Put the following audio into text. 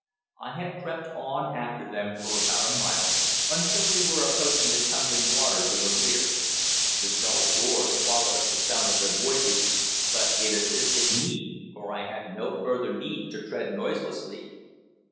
I had crept on after them for about a mile, until we were approaching the tumbling waters of the weir. The dull roar swallowed up the sound of their voices, but it assisted me, for I had no further need to tread noiselessly.